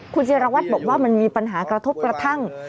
คุณจิรวัตรบอกว่ามันมีปัญหากระทบกระทั่ง